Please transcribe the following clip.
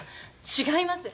違います。